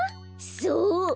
そう！